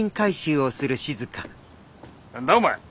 何だお前。